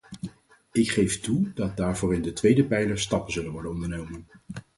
Ik geef toe dat daarvoor in de tweede pijler stappen zullen worden ondernomen.